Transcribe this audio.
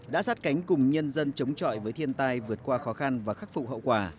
đã sát cánh cùng nhân dân chống chọi với thiên tai vượt qua khó khăn và khắc phục hậu quả